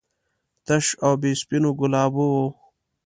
تش او بې سپینو ګلابو و.